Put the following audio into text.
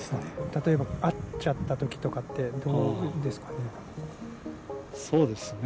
例えば、会っちゃったときとかって、どうしたらいいですかね。